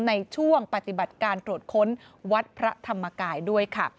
ในช่วงปฏิบัติการตรวจค้นวัดพระธรรมกายด้วยค่ะ